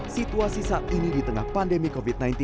situasi saat ini di tengah pandemi covid sembilan belas